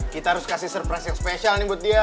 kita harus kasih surprise yang spesial nih buat dia